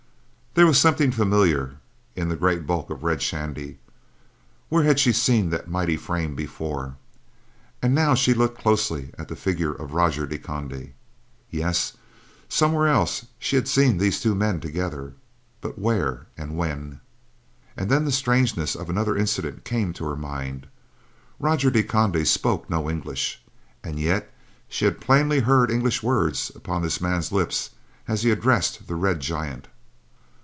There was something familiar in the great bulk of Red Shandy; where had she seen that mighty frame before? And now she looked closely at the figure of Roger de Conde. Yes, somewhere else had she seen these two men together; but where and when? And then the strangeness of another incident came to her mind. Roger de Conde spoke no English, and yet she had plainly heard English words upon this man's lips as he addressed the red giant.